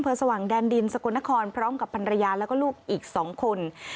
สว่างแดนดินสกลนครพร้อมกับภรรยาแล้วก็ลูกอีก๒คน